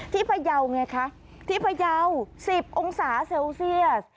พยาวไงคะที่พยาว๑๐องศาเซลเซียส